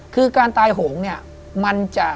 คือการตายโหงเนี่ยมันจะ